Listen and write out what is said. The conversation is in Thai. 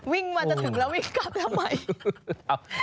วิ่งมาจะถึงแล้ววิ่งกลับทำไม